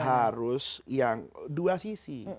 harus yang dua sisi